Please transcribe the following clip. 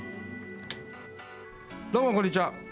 どうも、こんにちは。